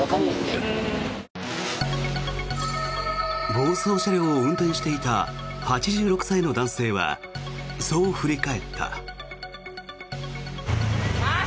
暴走車両を運転していた８６歳の男性はそう振り返った。